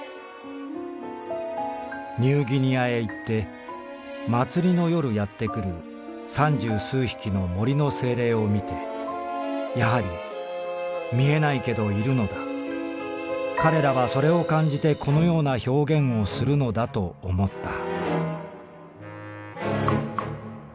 「ニューギニアへ行って祭りの夜やってくる三十数匹の森の精霊をみてやはりみえないけどいるのだ彼等はそれを感じてこのような表現をするのだと思った」。